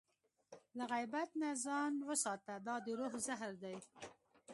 له غیبت نه ځان وساته، دا د روح زهر دی.